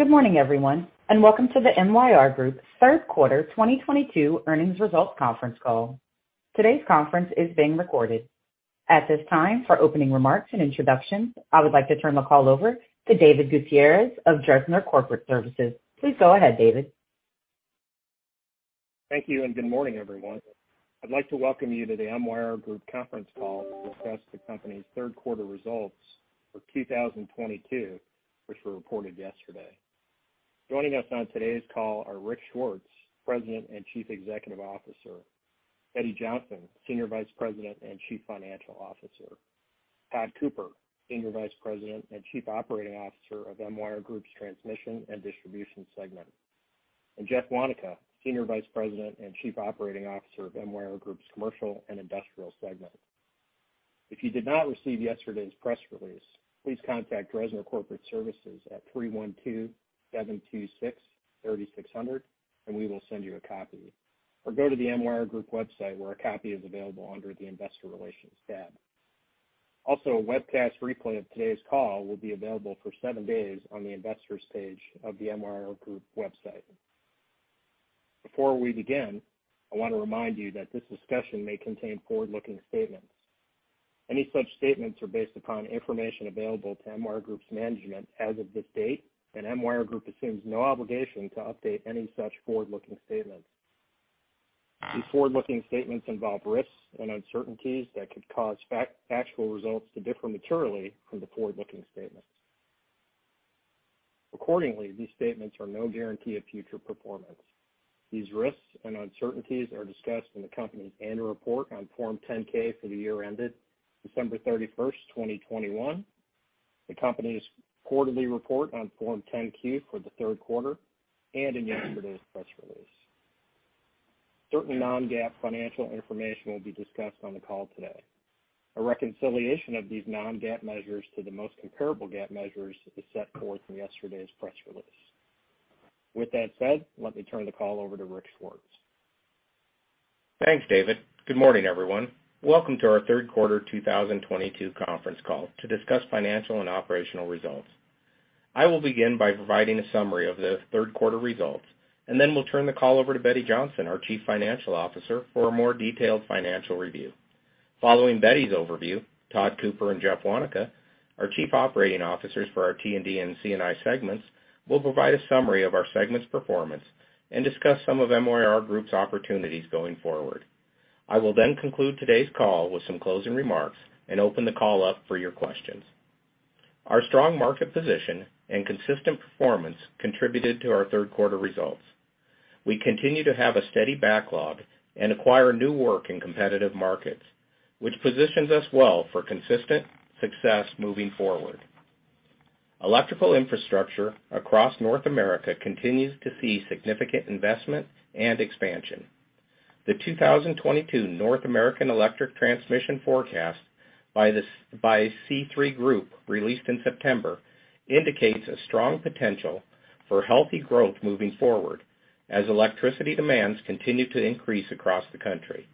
Good morning, everyone, and welcome to the MYR Group third quarter 2022 earnings results conference call. Today's conference is being recorded. At this time, for opening remarks and introductions, I would like to turn the call over to David Gutierrez of Dresner Corporate Services. Please go ahead, David. Thank you, and good morning, everyone. I'd like to welcome you to the MYR Group conference call to discuss the company's third quarter results for 2022, which were reported yesterday. Joining us on today's call are Rick Swartz, President and Chief Executive Officer, Betty Johnson, Senior Vice President and Chief Financial Officer, Tod Cooper, Senior Vice President and Chief Operating Officer of MYR Group's Transmission and Distribution segment, and Jeff Waneka, Senior Vice President and Chief Operating Officer of MYR Group's Commercial and Industrial segment. If you did not receive yesterday's press release, please contact Dresner Corporate Services at 312-726-3600, and we will send you a copy. Or go to the MYR Group website, where a copy is available under the Investor Relations tab. A webcast replay of today's call will be available for seven days on the Investors page of the MYR Group website. Before we begin, I want to remind you that this discussion may contain forward-looking statements. Any such statements are based upon information available to MYR Group's management as of this date, and MYR Group assumes no obligation to update any such forward-looking statements. These forward-looking statements involve risks and uncertainties that could cause actual results to differ materially from the forward-looking statements. Accordingly, these statements are no guarantee of future performance. These risks and uncertainties are discussed in the company's annual report on Form 10-K for the year ended December thirty-first, 2021, the company's quarterly report on Form 10-Q for the third quarter, and in yesterday's press release. Certain non-GAAP financial information will be discussed on the call today. A reconciliation of these non-GAAP measures to the most comparable GAAP measures is set forth in yesterday's press release. With that said, let me turn the call over to Rick Swartz. Thanks, David. Good morning, everyone. Welcome to our third quarter 2022 conference call to discuss financial and operational results. I will begin by providing a summary of the third quarter results, and then we'll turn the call over to Betty Johnson, our Chief Financial Officer, for a more detailed financial review. Following Betty's overview, Tod Cooper and Jeff Waneka, our Chief Operating Officers for our T&D and C&I segments, will provide a summary of our segment's performance and discuss some of MYR Group's opportunities going forward. I will then conclude today's call with some closing remarks and open the call up for your questions. Our strong market position and consistent performance contributed to our third quarter results. We continue to have a steady backlog and acquire new work in competitive markets, which positions us well for consistent success moving forward. Electrical infrastructure across North America continues to see significant investment and expansion. The 2022 North American Electric Transmission Forecast by the C3 Group, released in September, indicates a strong potential for healthy growth moving forward as electricity demands continue to increase across the country.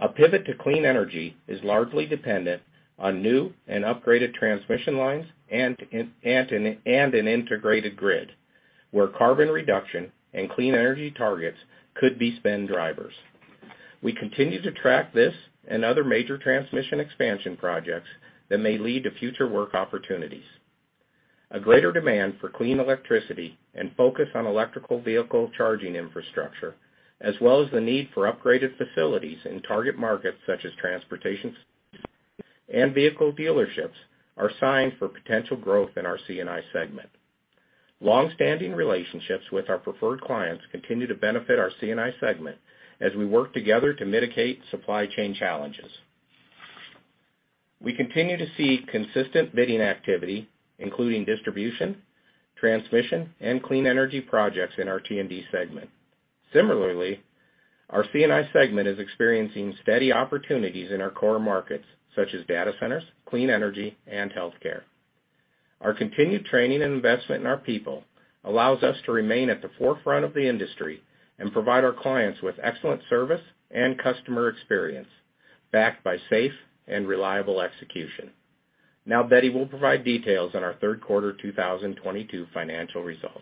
A pivot to clean energy is largely dependent on new and upgraded transmission lines and an integrated grid where carbon reduction and clean energy targets could be spending drivers. We continue to track this and other major transmission expansion projects that may lead to future work opportunities. A greater demand for clean electricity and focus on electric vehicle charging infrastructure, as well as the need for upgraded facilities in target markets such as transportation and vehicle dealerships, are signs of potential growth in our C&I segment. Long-standing relationships with our preferred clients continue to benefit our C&I segment as we work together to mitigate supply chain challenges. We continue to see consistent bidding activity, including distribution, transmission, and clean energy projects in our T&D segment. Similarly, our C&I segment is experiencing steady opportunities in our core markets, such as data centers, clean energy, and healthcare. Our continued training and investment in our people allows us to remain at the forefront of the industry and provide our clients with excellent service and customer experience backed by safe and reliable execution. Now, Betty will provide details on our third quarter 2022 financial results.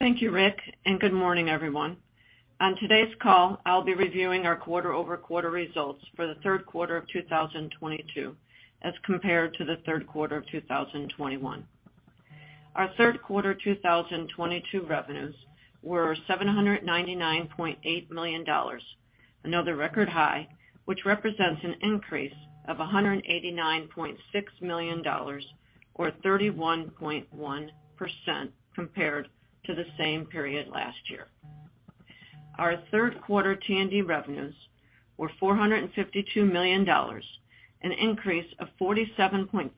Thank you, Rick, and good morning, everyone. On today's call, I'll be reviewing our quarter-over-quarter results for the third quarter of 2022, as compared to the third quarter of 2021. Our third quarter 2022 revenues were $799.8 million, another record high, which represents an increase of $189.6 million, or 31.1% compared to the same period last year. Our third quarter T&D revenues were $452 million, an increase of 47.5%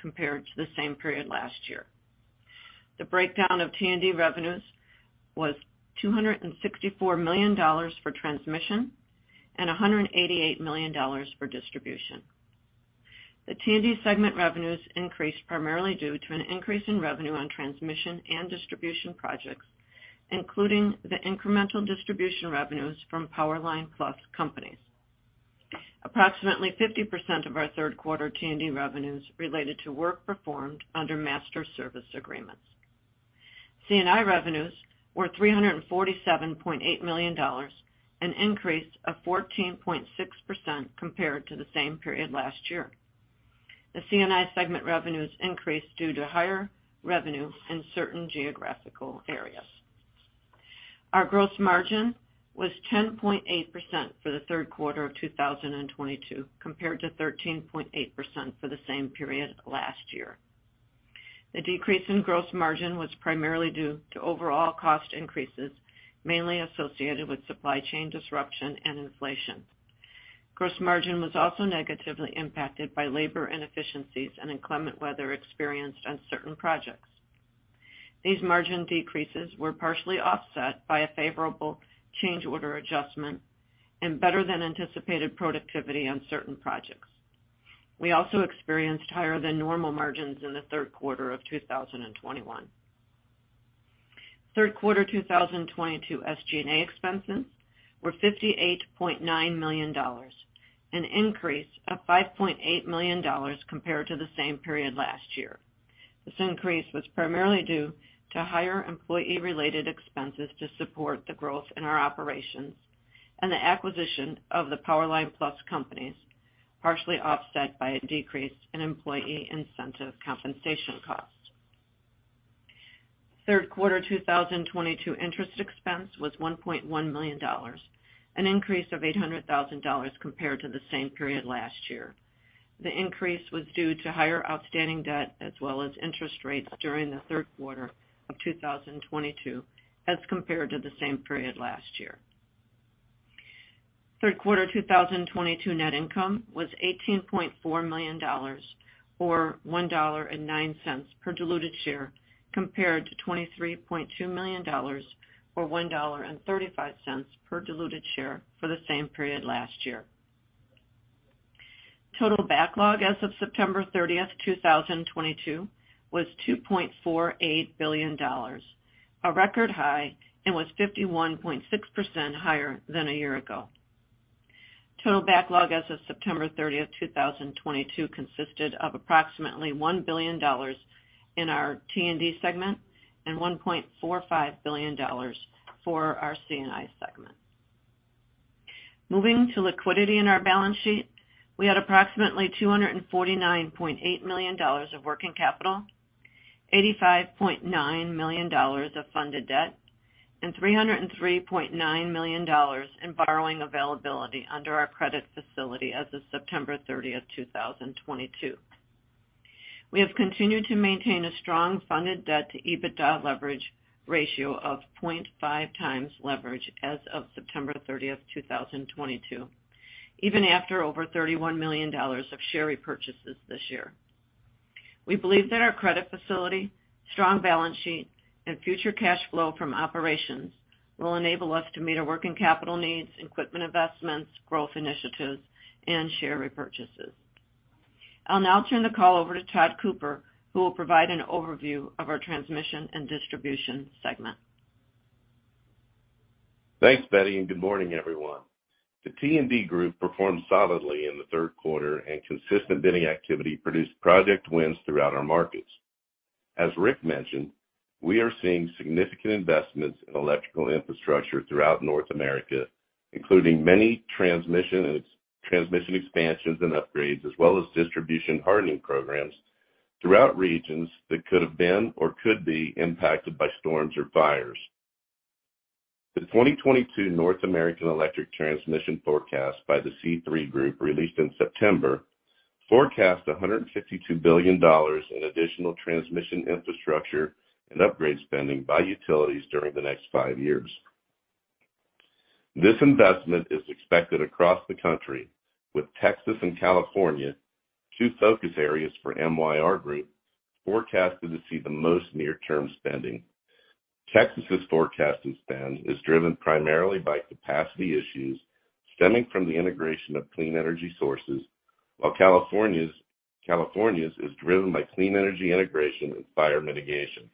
compared to the same period last year. The breakdown of T&D revenues was $264 million for transmission and $188 million for distribution. The T&D segment revenues increased primarily due to an increase in revenue on transmission and distribution projects, including the incremental distribution revenues from Powerline Plus Companies. Approximately 50% of our third quarter T&D revenues related to work performed under Master Service Agreements. C&I revenues were $347.8 million, an increase of 14.6% compared to the same period last year. The C&I segment revenues increased due to higher revenue in certain geographical areas. Our gross margin was 10.8% for the third quarter of 2022, compared to 13.8% for the same period last year. The decrease in gross margin was primarily due to overall cost increases, mainly associated with supply chain disruption and inflation. Gross margin was also negatively impacted by labor inefficiencies and inclement weather experienced on certain projects. These margin decreases were partially offset by a favorable change order adjustment and better than anticipated productivity on certain projects. We also experienced higher than normal margins in the third quarter of 2021. Third quarter 2022 SG&A expenses were $58.9 million, an increase of $5.8 million compared to the same period last year. This increase was primarily due to higher employee-related expenses to support the growth in our operations and the acquisition of the Powerline Plus Companies, partially offset by a decrease in employee incentive compensation costs. Third quarter 2022 interest expense was $1.1 million, an increase of $800,000 compared to the same period last year. The increase was due to higher outstanding debt as well as interest rates during the third quarter of 2022 as compared to the same period last year. Third quarter 2022 net income was $18.4 million or $1.09 per diluted share, compared to $23.2 million or $1.35 per diluted share for the same period last year. Total backlog as of September 30, 2022 was $2.48 billion, a record high and was 51.6% higher than a year ago. Total backlog as of September 30, 2022 consisted of approximately $1 billion in our T&D segment and $1.45 billion for our C&I segment. Moving to liquidity in our balance sheet, we had approximately $249.8 million of working capital, $85.9 million of funded debt, and $303.9 million in borrowing availability under our credit facility as of September 30, 2022. We have continued to maintain a strong funded debt to EBITDA leverage ratio of 0.5x leverage as of September 30, 2022, even after over $31 million of share repurchases this year. We believe that our credit facility, strong balance sheet, and future cash flow from operations will enable us to meet our working capital needs, equipment investments, growth initiatives, and share repurchases. I'll now turn the call over to Tod Cooper, who will provide an overview of our transmission and distribution segment. Thanks, Betty, and good morning, everyone. The T&D group performed solidly in the third quarter and consistent bidding activity produced project wins throughout our markets. As Rick mentioned, we are seeing significant investments in electrical infrastructure throughout North America, including many transmission and extra-transmission expansions and upgrades, as well as distribution hardening programs throughout regions that could have been or could be impacted by storms or fires. The 2022 North American Electric Transmission Forecast by C3 Group released in September, forecast $152 billion in additional transmission infrastructure and upgrade spending by utilities during the next five years. This investment is expected across the country with Texas and California, two focus areas for MYR Group, forecasted to see the most near-term spending. Texas' forecasted spend is driven primarily by capacity issues stemming from the integration of clean energy sources, while California's is driven by clean energy integration and fire mitigation.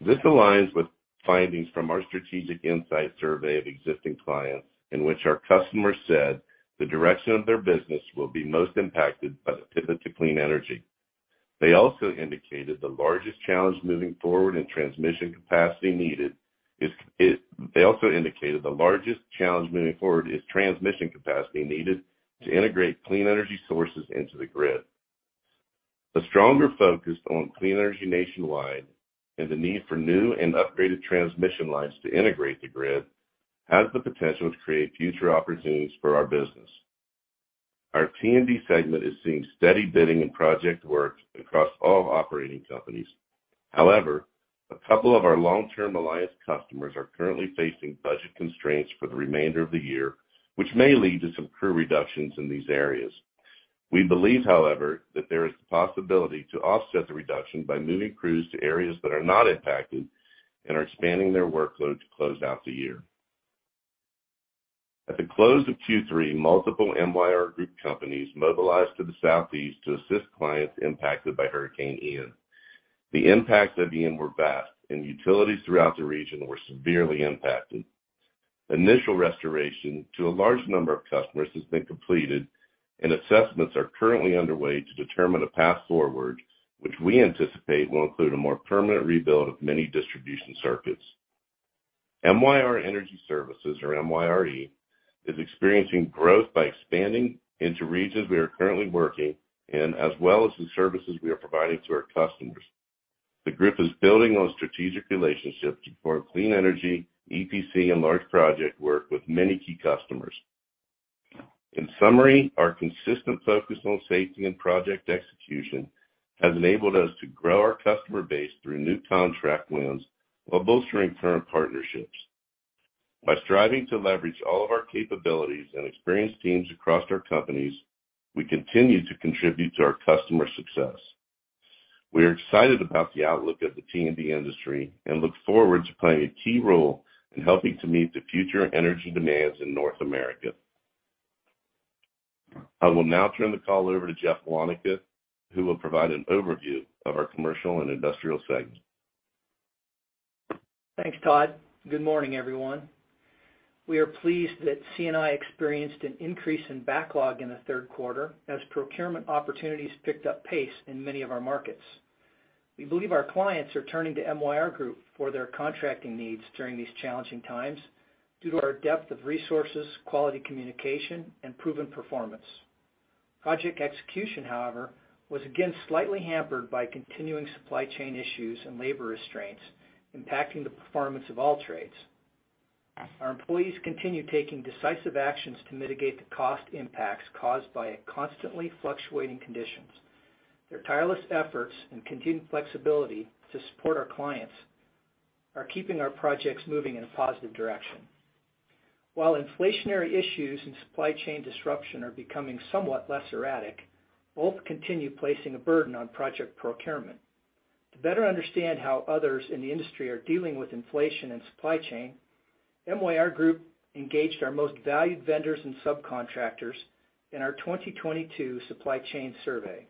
This aligns with findings from our strategic insight survey of existing clients, in which our customers said the direction of their business will be most impacted by the pivot to clean energy. They also indicated the largest challenge moving forward is transmission capacity needed to integrate clean energy sources into the grid. A stronger focus on clean energy nationwide and the need for new and upgraded transmission lines to integrate the grid has the potential to create future opportunities for our business. Our T&D segment is seeing steady bidding and project work across all operating companies. However, a couple of our long-term alliance customers are currently facing budget constraints for the remainder of the year, which may lead to some crew reductions in these areas. We believe, however, that there is the possibility to offset the reduction by moving crews to areas that are not impacted and are expanding their workload to close out the year. At the close of Q3, multiple MYR Group companies mobilized to the Southeast to assist clients impacted by Hurricane Ian. The impact of Ian was vast, and utilities throughout the region were severely impacted. Initial restoration to a large number of customers has been completed, and assessments are currently underway to determine a path forward, which we anticipate will include a more permanent rebuild of many distribution circuits. MYR Energy Services, or MYRE, is experiencing growth by expanding into regions we are currently working in, as well as the services we are providing to our customers. The group is building on strategic relationships to support clean energy, EPC, and large project work with many key customers. In summary, our consistent focus on safety and project execution has enabled us to grow our customer base through new contract wins while bolstering current partnerships. By striving to leverage all of our capabilities and experienced teams across our companies, we continue to contribute to our customers' success. We are excited about the outlook of the T&D industry and look forward to playing a key role in helping to meet the future energy demands in North America. I will now turn the call over to Jeff Waneka, who will provide an overview of our Commercial and Industrial segment. Thanks, Tod. Good morning, everyone. We are pleased that C&I experienced an increase in backlog in the third quarter as procurement opportunities picked up pace in many of our markets. We believe our clients are turning to MYR Group for their contracting needs during these challenging times due to our depth of resources, quality communication, and proven performance. Project execution, however, was again slightly hampered by continuing supply chain issues and labor restraints impacting the performance of all trades. Our employees continue taking decisive actions to mitigate the cost impacts caused by constantly fluctuating conditions. Their tireless efforts and continued flexibility to support our clients are keeping our projects moving in a positive direction. While inflationary issues and supply chain disruption are becoming somewhat less erratic, both continue placing a burden on project procurement. To better understand how others in the industry are dealing with inflation and supply chain, MYR Group engaged our most valued vendors and subcontractors in our 2022 supply chain survey.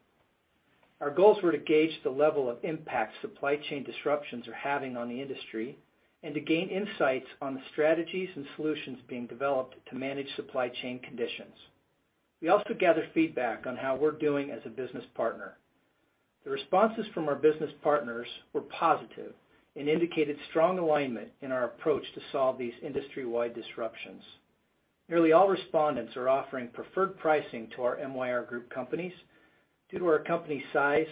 Our goals were to gauge the level of impact supply chain disruptions are having on the industry and to gain insights on the strategies and solutions being developed to manage supply chain conditions. We also gathered feedback on how we're doing as a business partner. The responses from our business partners were positive and indicated strong alignment in our approach to solve these industry-wide disruptions. Nearly all respondents are offering preferred pricing to our MYR Group companies due to our company size,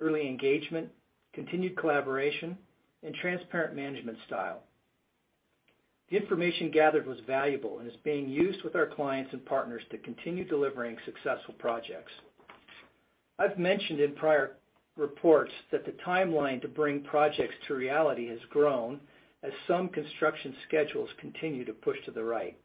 early engagement, continued collaboration, and transparent management style. The information gathered was valuable and is being used with our clients and partners to continue delivering successful projects. I've mentioned in prior reports that the timeline to bring projects to reality has grown as some construction schedules continue to push to the right.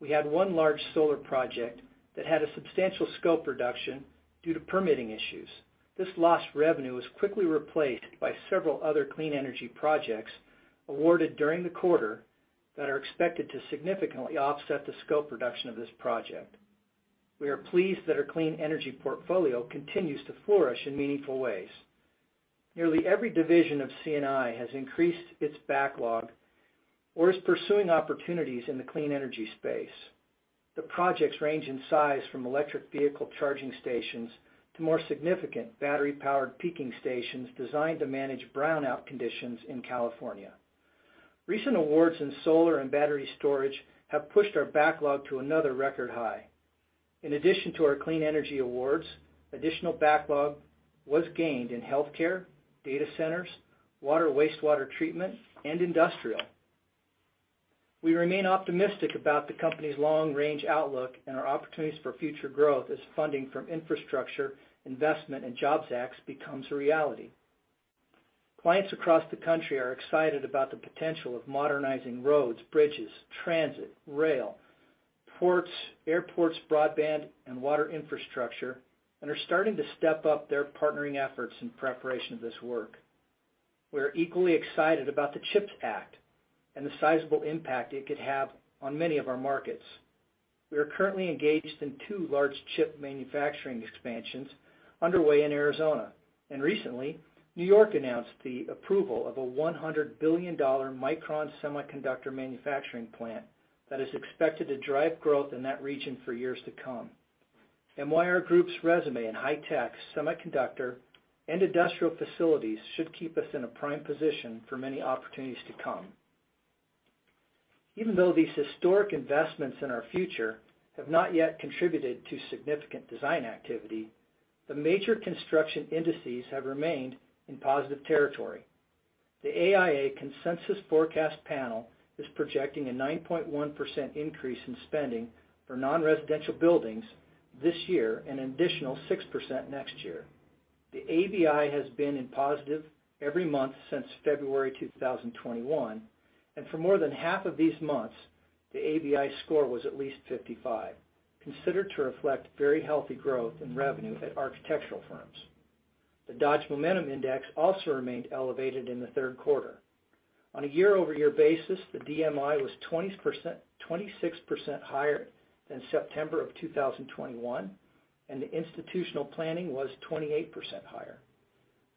We had one large solar project that had a substantial scope reduction due to permitting issues. This lost revenue was quickly replaced by several other clean energy projects awarded during the quarter that are expected to significantly offset the scope reduction of this project. We are pleased that our clean energy portfolio continues to flourish in meaningful ways. Nearly every division of C&I has increased its backlog or is pursuing opportunities in the clean energy space. The projects range in size from electric vehicle charging stations to more significant battery-powered peaking stations designed to manage brownout conditions in California. Recent awards in solar and battery storage have pushed our backlog to another record high. In addition to our clean energy awards, additional backlog was gained in healthcare, data centers, water wastewater treatment, and industrial. We remain optimistic about the company's long-range outlook and our opportunities for future growth as funding from Infrastructure Investment and Jobs Act becomes a reality. Clients across the country are excited about the potential of modernizing roads, bridges, transit, rail, ports, airports, broadband, and water infrastructure, and are starting to step up their partnering efforts in preparation of this work. We're equally excited about the CHIPS Act and the sizable impact it could have on many of our markets. We are currently engaged in two large chip manufacturing expansions underway in Arizona. Recently, New York announced the approval of a $100 billion Micron semiconductor manufacturing plant that is expected to drive growth in that region for years to come. MYR Group's resume in high-tech semiconductor and industrial facilities should keep us in a prime position for many opportunities to come. Even though these historic investments in our future have not yet contributed to significant design activity, the major construction indices have remained in positive territory. The AIA Consensus Forecast Panel is projecting a 9.1% increase in spending for nonresidential buildings this year and an additional 6% next year. The ABI has been positive every month since February 2021, and for more than half of these months, the ABI score was at least 55, considered to reflect very healthy growth in revenue at architectural firms. The Dodge Momentum Index also remained elevated in the third quarter. On a year-over-year basis, the DMI was 26% higher than September 2021, and the institutional planning was 28% higher.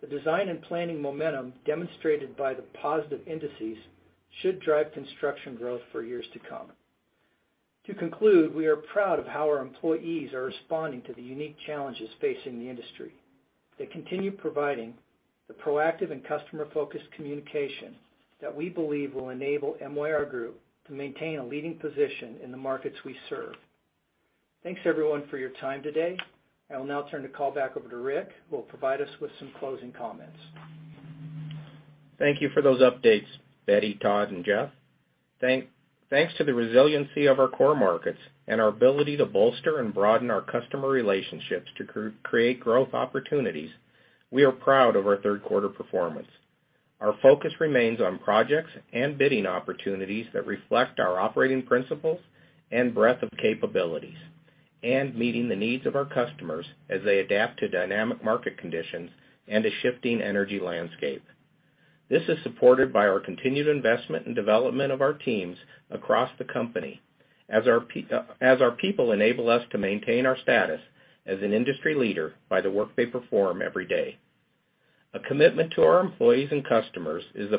The design and planning momentum demonstrated by the positive indices should drive construction growth for years to come. To conclude, we are proud of how our employees are responding to the unique challenges facing the industry. They continue providing the proactive and customer-focused communication that we believe will enable MYR Group to maintain a leading position in the markets we serve. Thanks, everyone, for your time today. I will now turn the call back over to Rick, who will provide us with some closing comments. Thank you for those updates, Betty, Tod, and Jeff. Thanks to the resiliency of our core markets and our ability to bolster and broaden our customer relationships to create growth opportunities, we are proud of our third quarter performance. Our focus remains on projects and bidding opportunities that reflect our operating principles and breadth of capabilities, and meeting the needs of our customers as they adapt to dynamic market conditions and a shifting energy landscape. This is supported by our continued investment and development of our teams across the company as our people enable us to maintain our status as an industry leader by the work they perform every day. A commitment to our employees and customers is the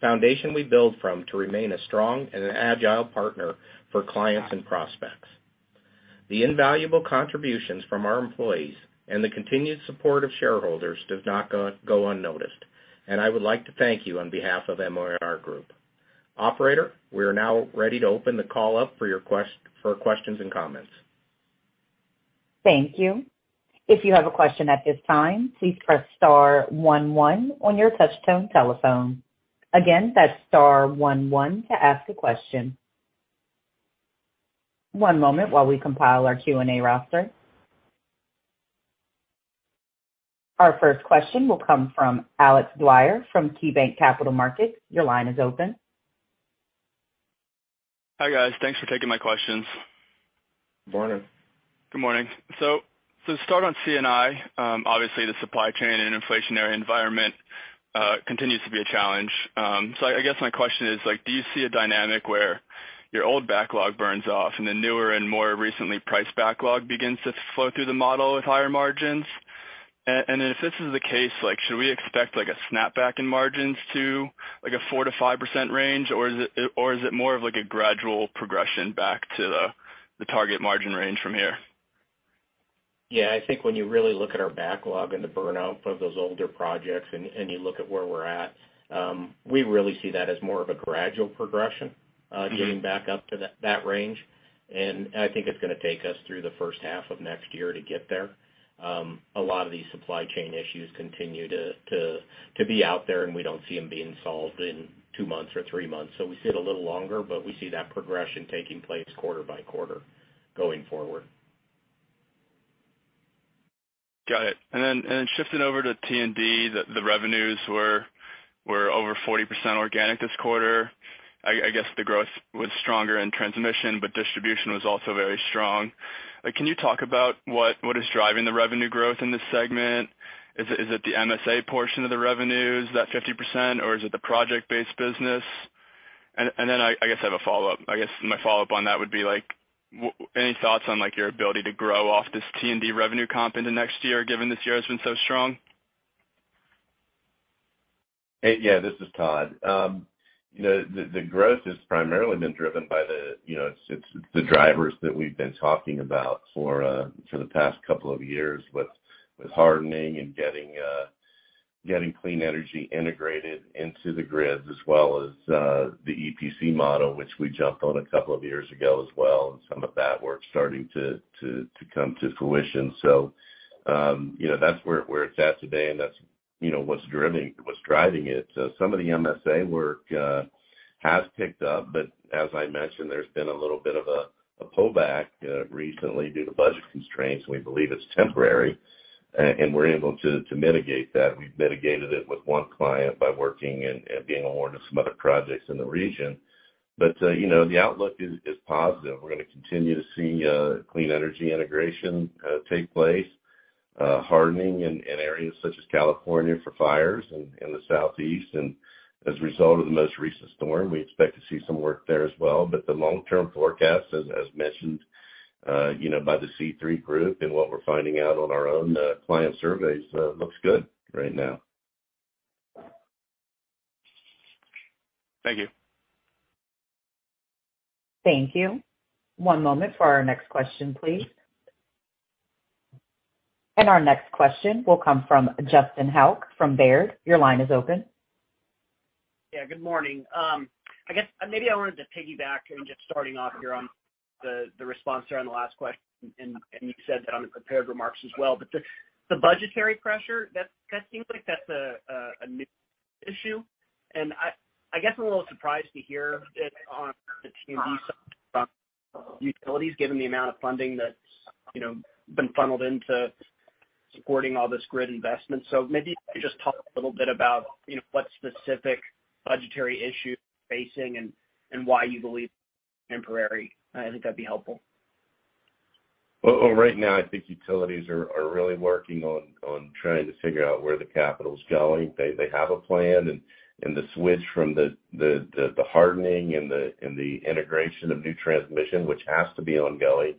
foundation we build from to remain a strong and an agile partner for clients and prospects. The invaluable contributions from our employees and the continued support of shareholders does not go unnoticed, and I would like to thank you on behalf of MYR Group. Operator, we are now ready to open the call up for your questions and comments. Thank you. If you have a question at this time, please press star one one on your touch tone telephone. Again, that's star one one to ask a question. One moment while we compile our Q&A roster. Our first question will come from Alexander Rygiel from KeyBanc Capital Markets. Your line is open. Hi, guys. Thanks for taking my questions. Morning. Good morning. To start on C&I, obviously the supply chain and inflationary environment continues to be a challenge. I guess my question is, like, do you see a dynamic where your old backlog burns off and the newer and more recently priced backlog begins to flow through the model with higher margins? If this is the case, like should we expect like a snapback in margins to like a 4%-5% range? Is it more of like a gradual progression back to the target margin range from here? Yeah, I think when you really look at our backlog and the burnout of those older projects and you look at where we're at, we really see that as more of a gradual progression getting back up to that range. I think it's gonna take us through the first half of next year to get there. A lot of these supply chain issues continue to be out there, and we don't see them being solved in two months or three months. We see it a little longer, but we see that progression taking place quarter by quarter going forward. Got it. Shifting over to T&D, the revenues were over 40% organic this quarter. I guess the growth was stronger in transmission, but distribution was also very strong. Like, can you talk about what is driving the revenue growth in this segment? Is it the MSA portion of the revenues, that 50%, or is it the project-based business? I guess I have a follow-up. I guess my follow-up on that would be like, any thoughts on like your ability to grow off this T&D revenue comp into next year given this year has been so strong? Yeah, this is Tod. You know, the growth has primarily been driven by the, you know, it's the drivers that we've been talking about for the past couple of years with hardening and getting clean energy integrated into the grids as well as the EPC model, which we jumped on a couple of years ago as well. Some of that work's starting to come to fruition. You know, that's where it's at today, and that's, you know, what's driving it. Some of the MSA work has picked up, but as I mentioned, there's been a little bit of a pullback recently due to budget constraints, and we believe it's temporary. We're able to mitigate that. We've mitigated it with one client by working and being awarded some other projects in the region. You know, the outlook is positive. We're gonna continue to see clean energy integration take place, hardening in areas such as California for fires in the southeast. As a result of the most recent storm, we expect to see some work there as well. The long-term forecast, as mentioned, you know, by the C Three Group and what we're finding out on our own, client surveys, looks good right now. Thank you. Thank you. One moment for our next question, please. Our next question will come from Justin Hauke from Baird. Your line is open. Yeah, good morning. I guess maybe I wanted to piggyback and just starting off here on the response there on the last question, and you said that on the prepared remarks as well. The budgetary pressure that seems like that's a new issue. I guess I'm a little surprised to hear that on the T&D side from utilities, given the amount of funding that's, you know, been funneled into supporting all this grid investment. Maybe if you could just talk a little bit about, you know, what specific budgetary issues you're facing and why you believe it's temporary. I think that'd be helpful. Well, right now, I think utilities are really working on trying to figure out where the capital's going. They have a plan and the switch from the hardening and the integration of new transmission, which has to be ongoing,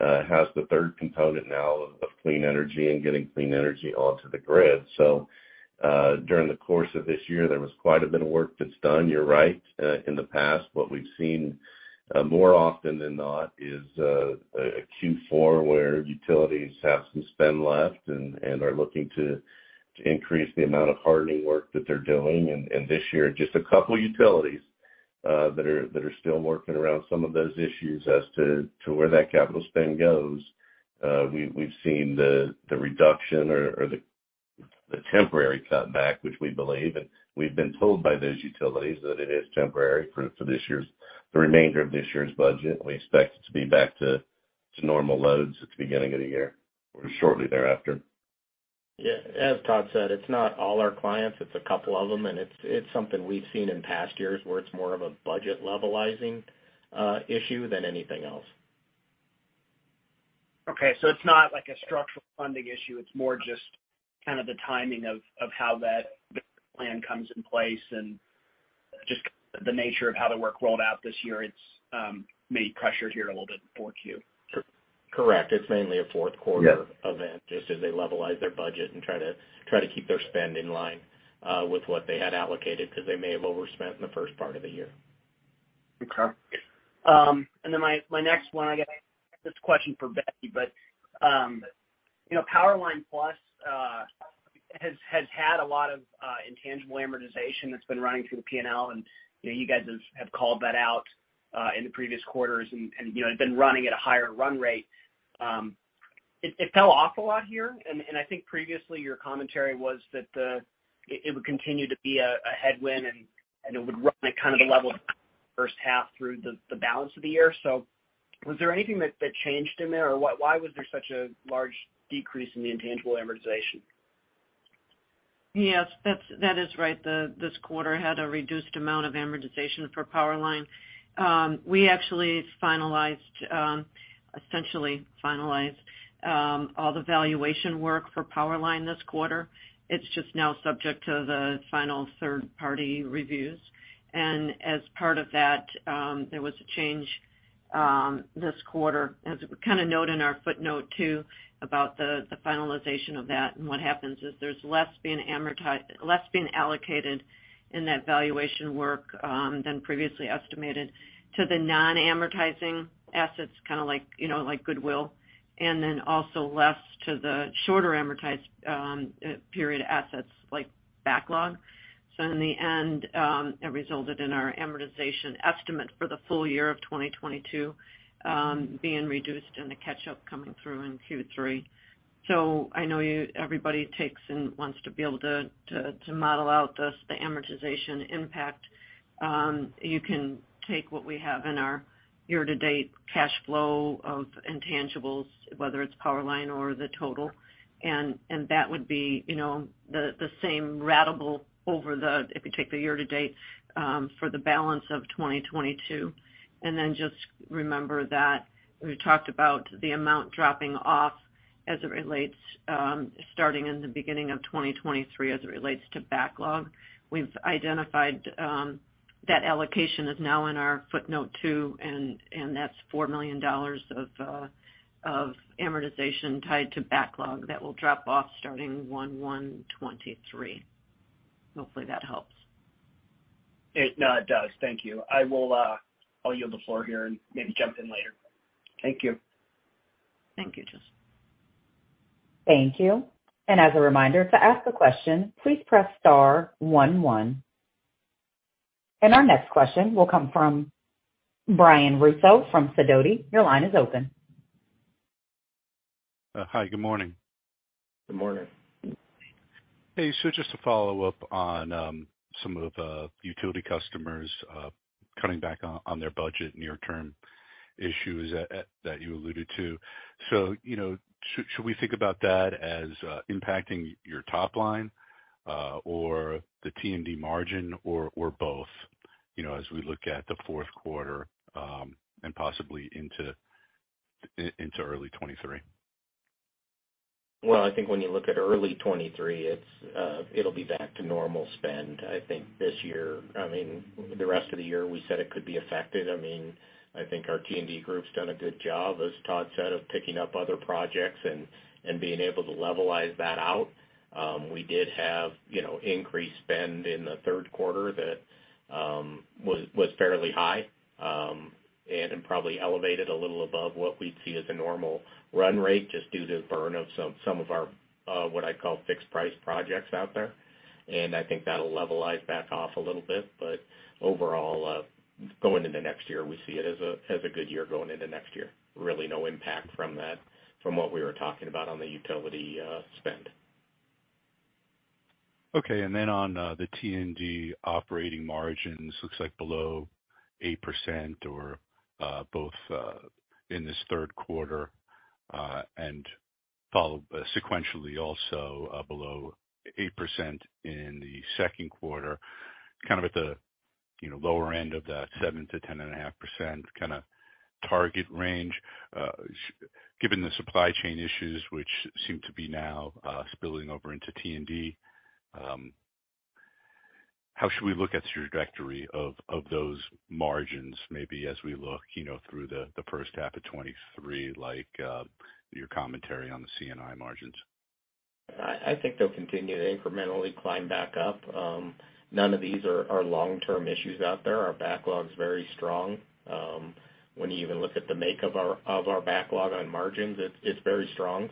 has the third component now of clean energy and getting clean energy onto the grid. During the course of this year, there was quite a bit of work that's done. You're right. In the past, what we've seen, more often than not is a Q4 where utilities have some spend left and are looking to increase the amount of hardening work that they're doing. This year, just a couple utilities that are still working around some of those issues as to where that capital spend goes. We've seen the reduction or the temporary cutback, which we believe, and we've been told by those utilities, that it is temporary for the remainder of this year's budget. We expect it to be back to normal loads at the beginning of the year or shortly thereafter. Yeah. As Todd said, it's not all our clients, it's a couple of them, and it's something we've seen in past years where it's more of a budget levelizing issue than anything else. Okay. It's not like a structural funding issue, it's more just kind of the timing of how that plan comes in place and just the nature of how the work rolled out this year. It's maybe pressured here a little bit in fourth Q. Correct. It's mainly a fourth quarter. Yes event, just as they levelize their budget and try to keep their spend in line with what they had allocated because they may have overspent in the first part of the year. Okay. My next one, I guess this question for Betty, but you know, Powerline Plus has had a lot of intangible amortization that's been running through the P&L and, you know, you guys have called that out in the previous quarters and, you know, have been running at a higher run rate. It fell off a lot here. I think previously your commentary was that it would continue to be a headwind and it would run at kind of the level first half through the balance of the year. Was there anything that changed in there or why was there such a large decrease in the intangible amortization? That is right. This quarter had a reduced amount of amortization for Powerline. We actually finalized essentially all the valuation work for Powerline this quarter. It's just now subject to the final third-party reviews. As part of that, there was a change this quarter, as we kind of note in our footnote too, about the finalization of that. What happens is there's less being allocated in that valuation work than previously estimated to the non-amortizing assets, kinda like, you know, like goodwill, and then also less to the shorter amortized period assets like backlog. In the end, it resulted in our amortization estimate for the full year of 2022 being reduced and the catch-up coming through in Q3. I know everybody takes and wants to be able to model out this, the amortization impact. You can take what we have in our year-to-date cash flow of intangibles, whether it's Powerline or the total, and that would be, you know, the same ratable over the, if you take the year-to-date for the balance of 2022. Just remember that we talked about the amount dropping off as it relates starting in the beginning of 2023 as it relates to backlog. We've identified that allocation is now in our footnote 2, and that's $4 million of amortization tied to backlog that will drop off starting 1/1/2023. Hopefully that helps. No, it does. Thank you. I will, I'll yield the floor here and maybe jump in later. Thank you. Thank you, Justin. Thank you. As a reminder, to ask a question, please press star one one. Our next question will come from Brian Russo from Sidoti. Your line is open. Hi, good morning. Good morning. Hey, just to follow up on some of utility customers cutting back on their budget near-term issues that you alluded to. You know, should we think about that as impacting your top line or the T&D margin or both, you know, as we look at the fourth quarter and possibly into early 2023? Well, I think when you look at early 2023, it's, it'll be back to normal spend. I think this year, I mean, the rest of the year, we said it could be affected. I mean, I think our T&D group's done a good job, as Todd said, of picking up other projects and being able to levelize that out. We did have, you know, increased spend in the third quarter that was fairly high and probably elevated a little above what we'd see as a normal run rate just due to the burn of some of our what I call fixed price projects out there. I think that'll levelize back off a little bit. Overall, going into next year, we see it as a good year going into next year. Really no impact from that, from what we were talking about on the utility spend. Okay. Then on the T&D operating margins, looks like below 8% or both in this third quarter and followed sequentially also below 8% in the second quarter, kind of at the you know lower end of that 7%-10.5% kinda target range. Given the supply chain issues which seem to be now spilling over into T&D, how should we look at the trajectory of those margins maybe as we look you know through the first half of 2023, like your commentary on the C&I margins? I think they'll continue to incrementally climb back up. None of these are long-term issues out there. Our backlog's very strong. When you even look at the make of our backlog on margins, it's very strong.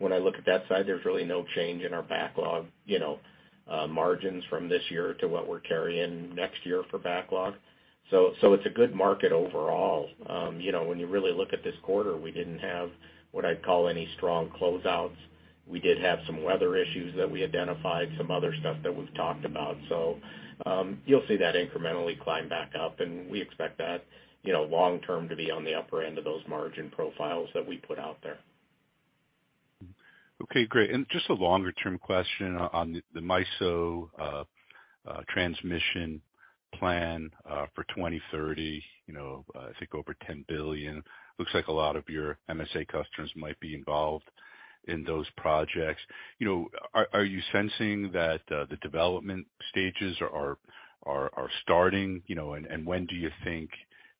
When I look at that side, there's really no change in our backlog, you know, margins from this year to what we're carrying next year for backlog. It's a good market overall. You know, when you really look at this quarter, we didn't have what I'd call any strong closeouts. We did have some weather issues that we identified, some other stuff that we've talked about. You'll see that incrementally climb back up, and we expect that, you know, long term to be on the upper end of those margin profiles that we put out there. Okay, great. Just a longer term question on the MISO transmission plan for 2030. You know, I think over $10 billion. Looks like a lot of your MSA customers might be involved in those projects. You know, are you sensing that the development stages are starting, you know? And when do you think,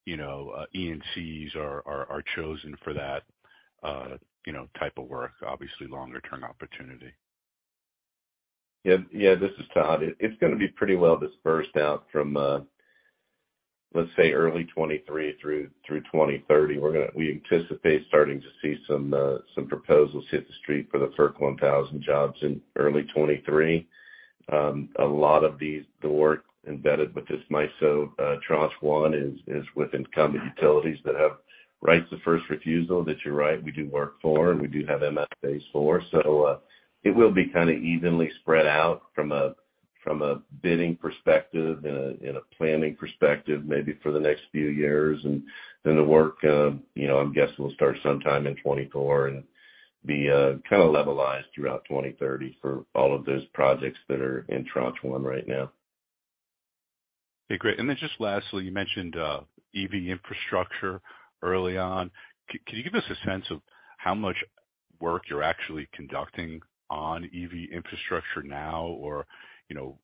you know, EPCs are chosen for that, you know, type of work? Obviously longer term opportunity. Yeah. Yeah, this is Tod. It's gonna be pretty well dispersed out from, let's say, early 2023 through 2030. We're gonna anticipate starting to see some proposals hit the street for the FERC Order 1000 jobs in early 2023. A lot of these, the work embedded with this MISO Tranche 1 is with incumbent utilities that have right of first refusal that you're right, we do work for and we do have MSAs for. It will be kinda evenly spread out from a bidding perspective and a planning perspective maybe for the next few years. The work, you know, I'm guessing will start sometime in 2024 and be kinda levelized throughout 2030 for all of those projects that are in Tranche 1 right now. Okay, great. Just lastly, you mentioned EV infrastructure early on. Can you give us a sense of how much work you're actually conducting on EV infrastructure now or, you know,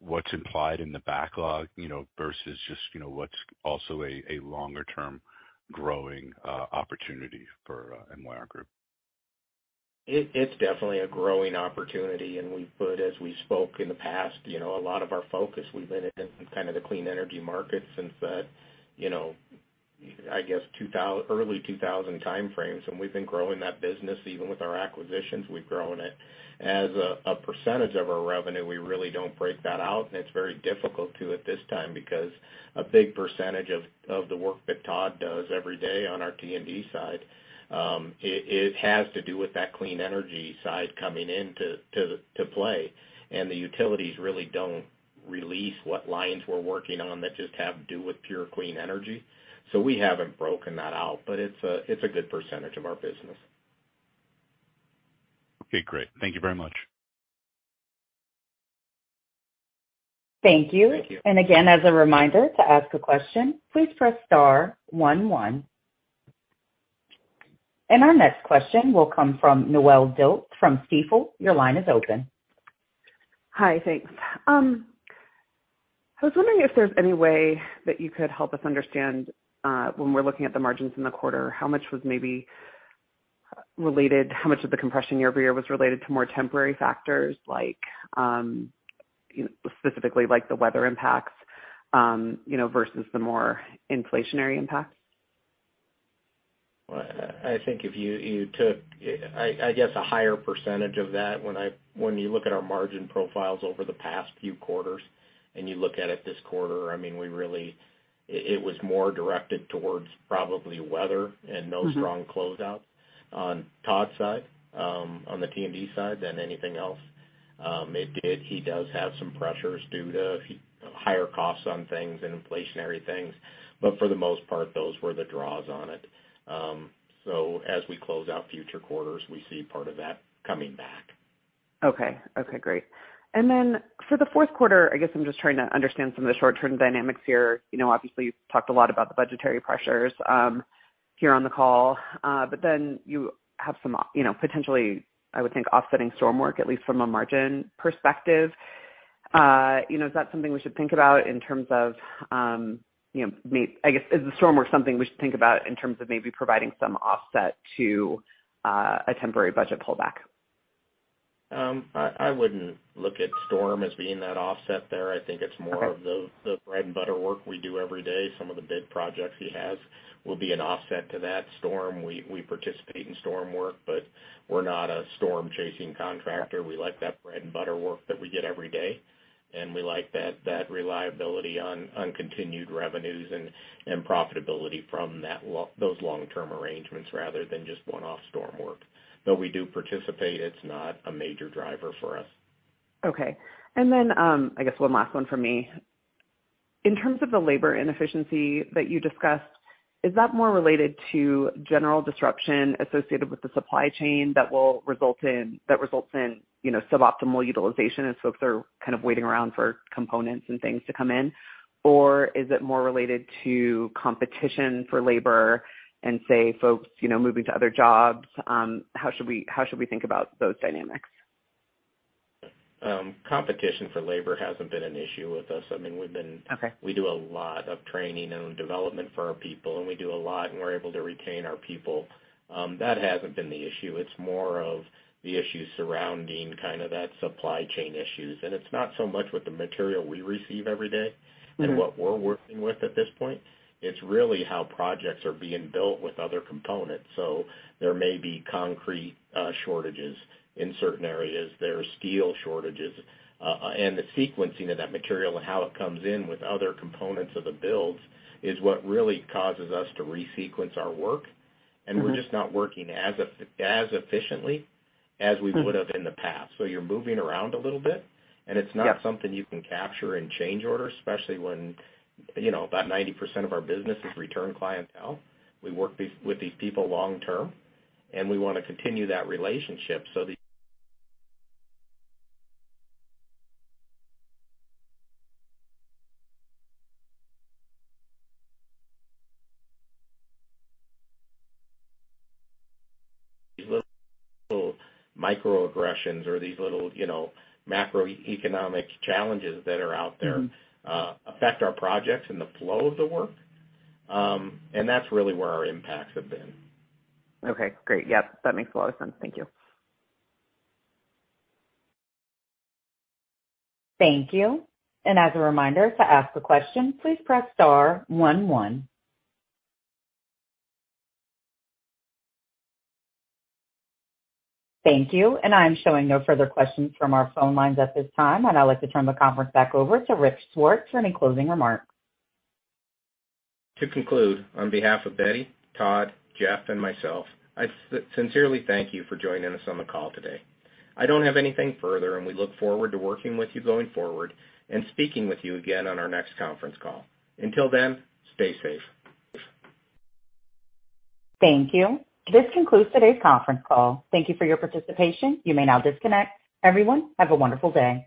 what's implied in the backlog, you know, versus just, you know, what's also a longer term growing opportunity for MYR Group? It's definitely a growing opportunity. We've put, as we spoke in the past, you know, a lot of our focus. We've been in kind of the clean energy market since the, you know, I guess early 2000 timeframes, and we've been growing that business. Even with our acquisitions, we've grown it. As a percentage of our revenue, we really don't break that out, and it's very difficult to at this time because a big percentage of the work that Todd does every day on our T&D side, it has to do with that clean energy side coming in to play. The utilities really don't release what lines we're working on that just have to do with pure clean energy. We haven't broken that out, but it's a good percentage of our business. Okay, great. Thank you very much. Thank you. Thank you. Again, as a reminder, to ask a question, please press star one one. Our next question will come from Noelle Dilts from Stifel. Your line is open. Hi. Thanks. I was wondering if there's any way that you could help us understand, when we're looking at the margins in the quarter, how much of the compression year-over-year was related to more temporary factors like, you know, specifically like the weather impacts, you know, versus the more inflationary impacts? Well, I think if you took, I guess, a higher percentage of that when you look at our margin profiles over the past few quarters and you look at it this quarter, I mean, we really. It was more directed towards probably weather and no strong closeout on Todd's side, on the T&D side than anything else. It did. He does have some pressures due to higher costs on things and inflationary things, but for the most part, those were the draws on it. As we close out future quarters, we see part of that coming back. Okay. Okay, great. Then for the fourth quarter, I guess I'm just trying to understand some of the short-term dynamics here. You know, obviously you've talked a lot about the budgetary pressures here on the call, but then you have some, you know, potentially, I would think, offsetting storm work, at least from a margin perspective. You know, is that something we should think about in terms of, you know, I guess is the storm work something we should think about in terms of maybe providing some offset to a temporary budget pullback? I wouldn't look at storm as being that offset there. I think it's more of the bread and butter work we do every day. Some of the big projects he has will be an offset to that storm. We participate in storm work, but we're not a storm-chasing contractor. We like that bread and butter work that we get every day, and we like that reliability on continued revenues and profitability from those long-term arrangements rather than just one-off storm work. Though we do participate, it's not a major driver for us. Okay. I guess one last one from me. In terms of the labor inefficiency that you discussed. Is that more related to general disruption associated with the supply chain that results in, you know, suboptimal utilization as folks are kind of waiting around for components and things to come in? Or is it more related to competition for labor and say, folks, you know, moving to other jobs? How should we think about those dynamics? Competition for labor hasn't been an issue with us. I mean, Okay. We do a lot of training and development for our people, and we do a lot, and we're able to retain our people. That hasn't been the issue. It's more of the issues surrounding kind of that supply chain issues. It's not so much with the material we receive every day. Mm-hmm What we're working with at this point. It's really how projects are being built with other components. There may be concrete shortages in certain areas. There are steel shortages. The sequencing of that material and how it comes in with other components of the builds is what really causes us to resequence our work. Mm-hmm. We're just not working as efficiently as we would have in the past. You're moving around a little bit. Yeah. It's not something you can capture in change orders, especially when, you know, about 90% of our business is return clientele. We work with these people long term, and we wanna continue that relationship. These little microaggressions or these little, you know, macroeconomic challenges that are out there. Mm-hmm Affect our projects and the flow of the work. That's really where our impacts have been. Okay, great. Yep, that makes a lot of sense. Thank you. Thank you. As a reminder, to ask a question, please press star one one. Thank you. I am showing no further questions from our phone lines at this time. I'd now like to turn the conference back over to Rick Swartz for any closing remarks. To conclude, on behalf of Betty, Todd, Jeff, and myself, I sincerely thank you for joining us on the call today. I don't have anything further, and we look forward to working with you going forward and speaking with you again on our next conference call. Until then, stay safe. Thank you. This concludes today's conference call. Thank you for your participation. You may now disconnect. Everyone, have a wonderful day.